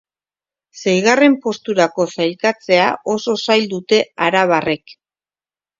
Seigarren posturako sailkatzea oso zail dute arabarrek.